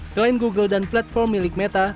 selain google dan platform milik meta